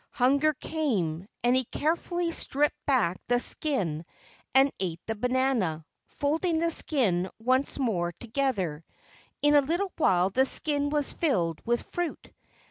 Hunger came, and he carefully stripped back the skin and ate the banana, folding the skin once more together. In a little while the skin was filled with fruit.